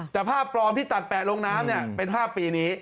แต่ภาพปลอมที่ตัดแปะลงน้ำเป็นภาพปีนี้